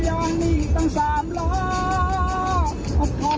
วันนี้พี่กำลังจะหลง